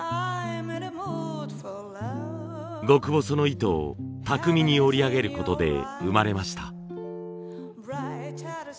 極細の糸を巧みに織りあげることで生まれました。